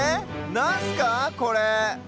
なんすかこれ？